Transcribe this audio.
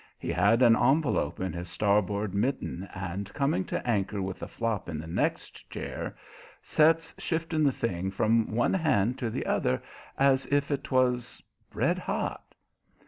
He had an envelope in his starboard mitten, and, coming to anchor with a flop in the next chair, sets shifting the thing from one hand to the other as if it 'twas red hot.